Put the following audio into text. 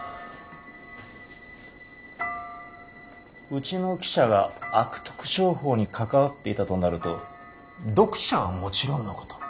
うちの記者が悪徳商法に関わっていたとなると読者はもちろんのこと